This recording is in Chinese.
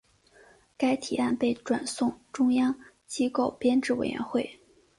该提案被转送中央机构编制委员会。